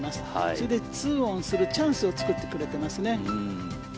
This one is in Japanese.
それで２オンするチャンスを作ってくれてますね。